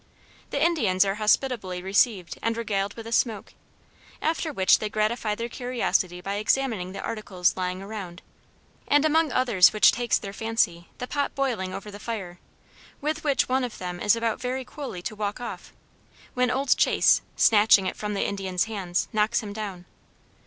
The Indians are hospitably received and regaled with a smoke, after which they gratify their curiosity by examining the articles lying around, and among others which takes their fancy the pot boiling over the fire, with which one of them is about very coolly to walk off, when old Chase, snatching it from the Indian's hands, knocks him down.